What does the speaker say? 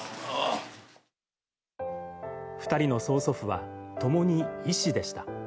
２人の曽祖父は共に医師でした。